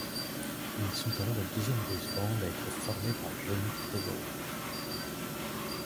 Ils sont alors le deuxième boys band à être formé par Johnny Kitagawa.